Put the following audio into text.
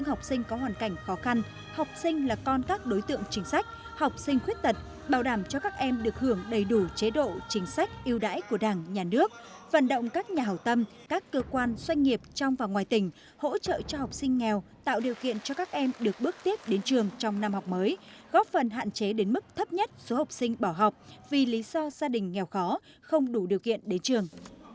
học sinh khuyết tật bảo đảm cho các em được hưởng đầy đủ chế độ chính sách yêu đáy của đảng nhà nước vận động các nhà hậu tâm các cơ quan doanh nghiệp trong và ngoài tỉnh hỗ trợ cho học sinh nghèo tạo điều kiện cho các em được bước tiếp đến trường trong năm học mới góp phần hạn chế đến mức thấp nhất số học sinh bỏ học vì lý do gia đình nghèo khó không đủ điều kiện đến trường